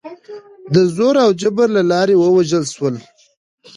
د زور او جبر له لارې ووژل شول.